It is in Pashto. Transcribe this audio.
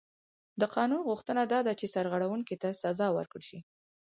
د قانون غوښتنه دا ده چې سرغړونکي ته سزا ورکړل شي.